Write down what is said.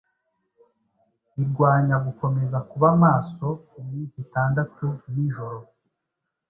irwanya gukomeza kuba maso iminsi itandatu nijoro